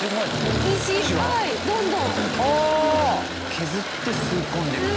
削って吸い込んでるんだ。